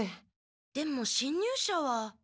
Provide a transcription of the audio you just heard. でもしん入者は？